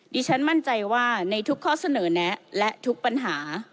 ดิฉันมั่นใจว่าในทุกข้อเสนอแนะและทุกปัญหา